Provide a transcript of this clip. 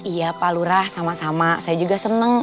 iya pak lurah sama sama saya juga senang